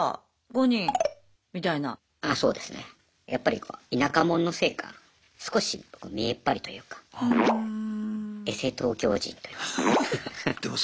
やっぱりこう田舎者のせいか少し見えっ張りというかエセ東京人というか。